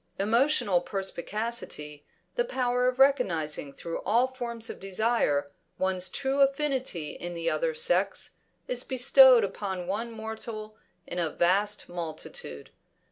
Emotional perspicacity, the power of recognising through all forms of desire one's true affinity in the other sex, is bestowed upon one mortal in a vast multitude.